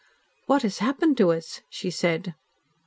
"What has happened to us?" she said.